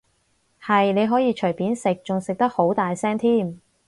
係，你可以隨便食，仲食得好大聲添